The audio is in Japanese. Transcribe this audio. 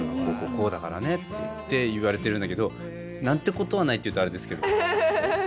「こうこうこうだからね」って言われてるんだけど何てことはないっていうとあれですけど。